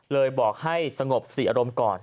บอกให้สงบศรีอารมณ์ก่อน